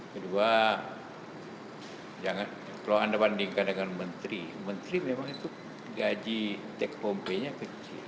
kedua kalau anda bandingkan dengan menteri menteri memang itu gaji tekpompenya kecil